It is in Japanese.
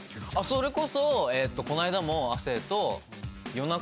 それこそこの間も亜生と。